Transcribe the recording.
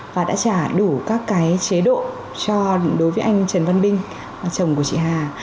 và đã trả đủ các cái chế độ cho đối với anh trần văn binh chồng của chị hà